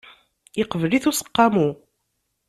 Iqbel-it useqqamu.